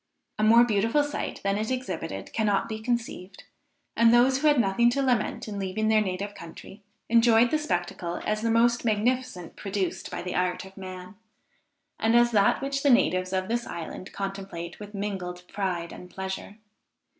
A more beautiful sight than it exhibited cannot be conceived; and those who had nothing to lament in leaving their native country, enjoyed the spectacle as the most magnificent produced by the art of man, and as that which the natives of this island contemplate with mingled pride and pleasure.